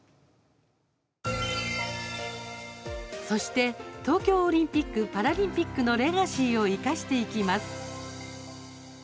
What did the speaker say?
そして、東京オリンピック・パラリンピックのレガシーを生かしていきます。